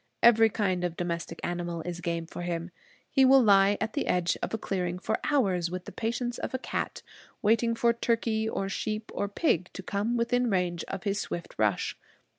Every kind of domestic animal is game for him. He will lie at the edge of a clearing for hours, with the patience of a cat, waiting for turkey or sheep or pig to come within range of his swift rush.